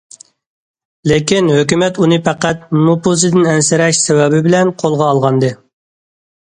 لېكىن ھۆكۈمەت ئۇنى پەقەت« نوپۇزىدىن ئەنسىرەش» سەۋەبى بىلەن قولغا ئالغانىدى.